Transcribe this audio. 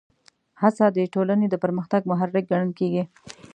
هڅه د ټولنې د پرمختګ محرک ګڼل کېږي.